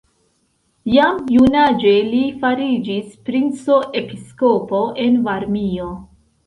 Jam junaĝe li fariĝis princo-episkopo en Varmio.